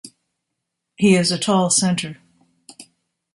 He is a tall center.